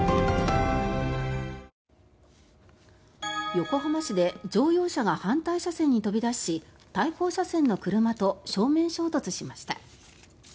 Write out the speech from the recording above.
横浜市で乗用車が反対車線に飛び出し対向車線の車と正面衝突しました。